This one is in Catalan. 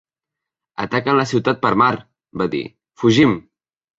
Ataquen la ciutat per mar! —va dir— Fugim!